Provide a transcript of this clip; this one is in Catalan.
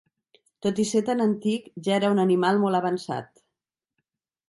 Tot i ser tan antic, ja era un animal molt avançat.